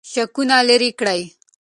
شکونه لرې کړئ.